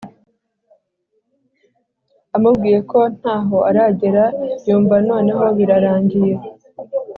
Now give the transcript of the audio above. amubwiye ko ntaho aragera yumv noneho birarangiye